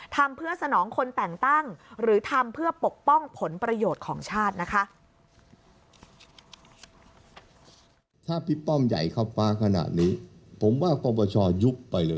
ทำเพื่อสนองคนแต่งตั้งหรือทำเพื่อปกป้องผลประโยชน์ของชาตินะคะ